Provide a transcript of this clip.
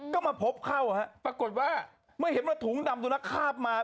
ก็มาพบเข้าฮะปรากฏว่าเมื่อเห็นว่าถุงดำตัวนักคาบมา